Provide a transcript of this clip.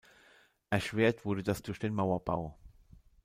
Erschwert wurde das durch den Mauerbau.